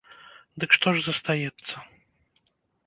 Дык што ж застаецца?